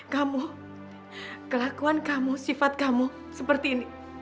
kamu kelakuan kamu sifat kamu seperti ini